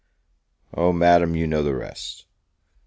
O, Madam, you know the rest!